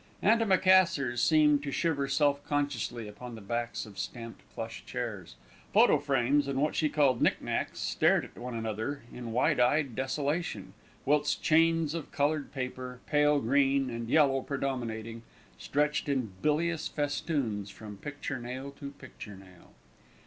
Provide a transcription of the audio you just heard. Antimacassars seemed to shiver self consciously upon the backs of stamped plush chairs, photo frames, and what she called "knick knacks," stared at one another in wide eyed desolation; whilst chains of coloured paper, pale green and yellow predominating, stretched in bilious festoons from picture nail to picture nail.